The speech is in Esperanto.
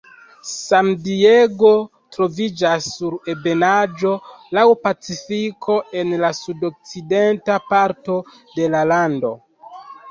San-Diego troviĝas sur ebenaĵo laŭ Pacifiko en la sud-okcidenta parto de la lando.